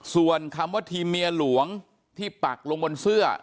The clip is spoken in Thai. ส่วนคำว่าทีมเมียหลวงที่ปักลงบนเสื้อ